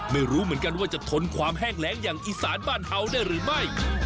ไม่รู้เหมือนกันว่าจะทนความแห้งแรงอย่างอีสานบ้านเฮาได้หรือไม่